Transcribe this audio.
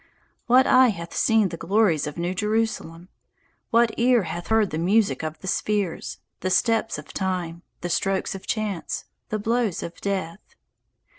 What eye hath seen the glories of the New Jerusalem? What ear hath heard the music of the spheres, the steps of time, the strokes of chance, the blows of death?